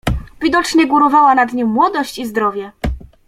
"Widocznie górowała nad nim młodość i zdrowie."